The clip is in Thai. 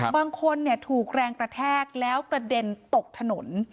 บางคนถูกแรงกระแทกแล้วกระเด็นตกถนน